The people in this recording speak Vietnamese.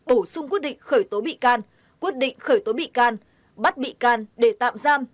bổ sung quyết định khởi tố bị can quyết định khởi tố bị can bắt bị can để tạm giam